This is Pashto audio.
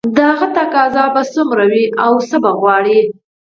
د هغه تقاضا به څومره وي او څه به غواړي